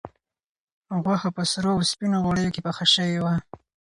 غوښه په سرو او سپینو غوړیو کې پخه شوې وه.